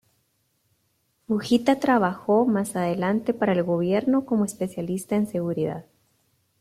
Fujita trabajó más adelante para el Gobierno como especialista en seguridad.